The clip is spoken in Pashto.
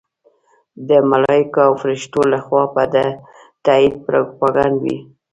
د ملایکو او فرښتو لخوا به د تایید پروپاګند وي.